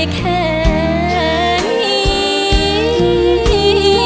ใกล้แค่นี้